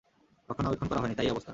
রক্ষণাবেক্ষণ করা হয়নি, তাই এই অবস্থা।